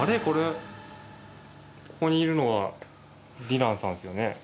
これここにいるのはディランさんですよね？